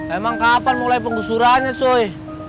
emang kapan mulai penggusurannya coy